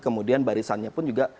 kemudian barisannya pun juga